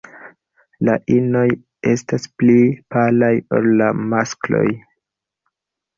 La inoj estas pli palaj ol la maskloj.